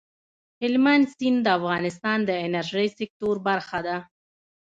هلمند سیند د افغانستان د انرژۍ سکتور برخه ده.